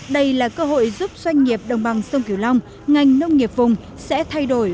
đây là cơ hội giúp doanh nghiệp đồng bằng sông kiều long ngành nông nghiệp vùng sẽ thay đổi